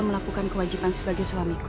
melakukan kewajiban sebagai suamiku